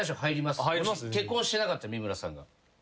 結婚してなかったら三村さんが。